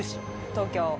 東京。